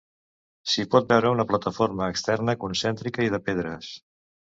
S'hi pot veure una plataforma externa concèntrica i de pedres.